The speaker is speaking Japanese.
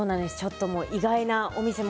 意外なお店も。